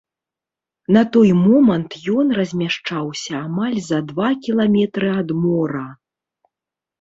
На той момант ён размяшчаўся амаль за два кіламетры ад мора.